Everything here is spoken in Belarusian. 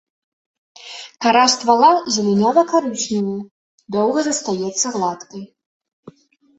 Кара ствала зелянява-карычневая, доўга застаецца гладкай.